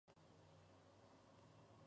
Nació en Oklahoma en una familia militar.